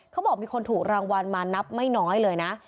เขาบอกมีคนถูกรางวัลมานับไม่น้อยเลยนะ